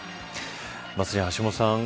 まさに橋下さん